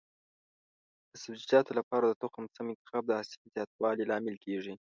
د سبزیجاتو لپاره د تخم سم انتخاب د حاصل زیاتوالي لامل کېږي.